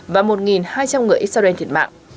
và một hai trăm linh người israel thiệt mạng